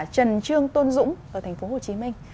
trần trương tôn dũng ở thành phố hồ chí minh